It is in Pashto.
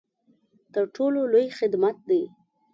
تر ټولو لوی خدمت دی.